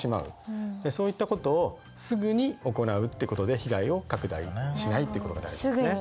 そういったことをすぐに行うってことで被害を拡大しないってことが大事ですね。